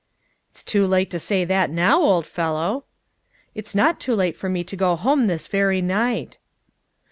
"It's too late to say that now, old fellow." "It's not too late for me to go home this very night."